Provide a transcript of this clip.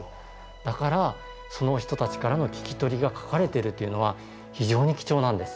だからその人たちからの聞き取りが書かれてるというのは非常に貴重なんです。